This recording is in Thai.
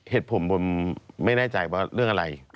เหตุผมผมไม่แน่ใจว่าเรื่องอะไร